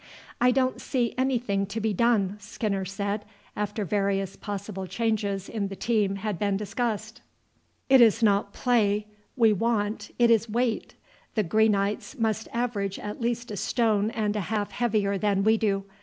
"I don't see any thing to be done," Skinner said, after various possible changes in the team had been discussed; "it is not play we want, it is weight. The Greenites must average at least a stone and a half heavier than we do.